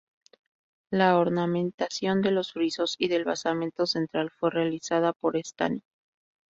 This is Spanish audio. La ornamentación de los frisos y del basamento central fue realizada por Estany.